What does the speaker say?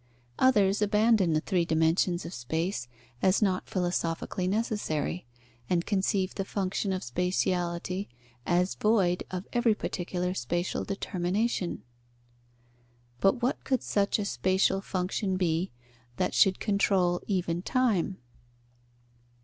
Others abandon the three dimensions of space as not philosophically necessary, and conceive the function of spatiality as void of every particular spatial determination. But what could such a spatial function be, that should control even time?